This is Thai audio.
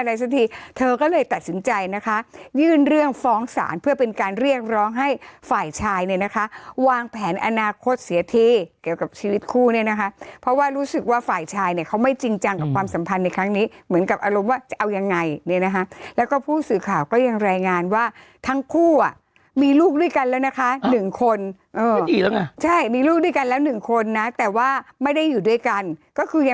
ฝ่ายชายเนี่ยนะคะวางแผนอนาคตเสียที่เกี่ยวกับชีวิตคู่เนี่ยนะคะเพราะว่ารู้สึกว่าฝ่ายชายเนี่ยเขาไม่จริงจังกับความสัมพันธ์ในครั้งนี้เหมือนกับอารมณ์ว่าจะเอายังไงเนี่ยนะคะแล้วก็ผู้สื่อข่าวก็ยังแรงงานว่าทั้งคู่อ่ะมีลูกด้วยกันแล้วนะคะ๑คนใช่มีลูกด้วยกันแล้ว๑คนนะแต่ว่าไม่ได้อยู่ด้วยกันก็คือย